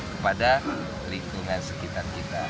kepada lingkungan sekitar kita